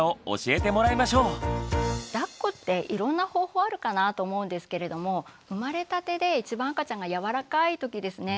だっこっていろんな方法あるかなと思うんですけれども生まれたてで一番赤ちゃんがやわらかい時ですね。